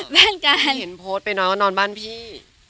ไม่เห็นโพสต์ไปนอนนอนบ้านพี่